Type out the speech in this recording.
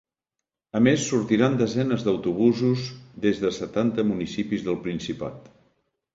A més, sortiran desenes d’autobusos des de setanta municipis del Principat.